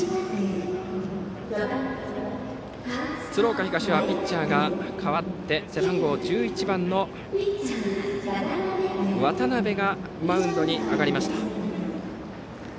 鶴岡東はピッチャーが代わって背番号１１番の渡辺がマウンドに上がりました。